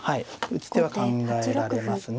打つ手は考えられますね。